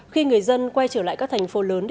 khi người dân quay trở lại các thành phố lớn